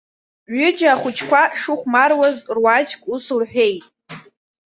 Ҩыџьа ахәыҷқәа шыхәмаруаз, руаӡәк ус лҳәеит.